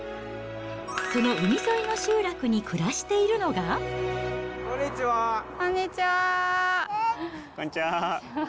その海沿いの集落に暮らしているこんにちは。